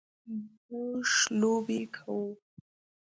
مونږ لوبې کوو